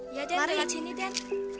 iya den lewat sini den